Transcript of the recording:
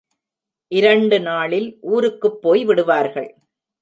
இரண்டு நாளில் ஊருக்குப் போய் விடுவார்கள்.